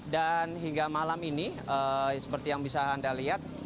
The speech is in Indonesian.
dan hingga malam ini seperti yang bisa anda lihat